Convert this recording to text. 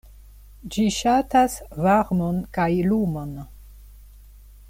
Ĝi ŝatas varmon kaj lumon.